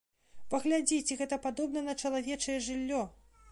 Паглядзі, ці гэта падобна на чалавечае жыллё!